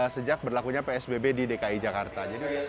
sejak berlakunya psbb di dki jakarta